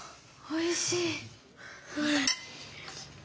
おいしい。